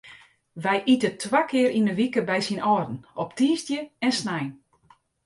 Wy ite twa kear yn de wike by syn âlden, op tiisdei en snein.